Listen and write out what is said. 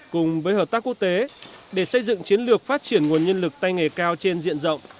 cùng với hợp tác quốc tế để xây dựng chiến lược phát triển nguồn nhân lực tay nghề cao trên diện rộng